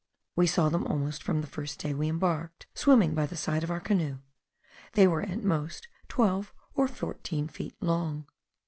We saw them almost from the first day we embarked, swimming by the side of our canoe; they were at most twelve or fourteen feet long.